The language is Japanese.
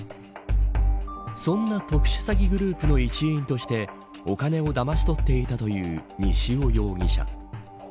そんな特殊詐欺グループの一員としてお金をだまし取っていたという西尾容疑者。